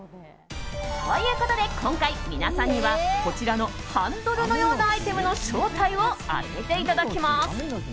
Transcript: ということで今回皆さんには、こちらのハンドルのようなアイテムの正体を当てていただきます。